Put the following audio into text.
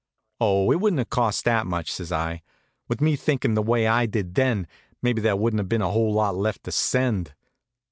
"Oh, it wouldn't have cost that much," says I. "With me thinkin' the way I did then, maybe there wouldn't have been a whole lot left to send."